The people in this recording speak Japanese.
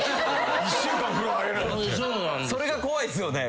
それが怖いっすよね。